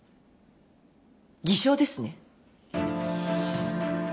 偽証ですね。